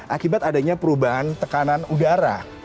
akibat adanya perubahan tekanan udara